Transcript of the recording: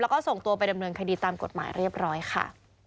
แล้วก็ส่งตัวไปดำเนินคดีตามกฎหมายเรียบร้อยค่ะ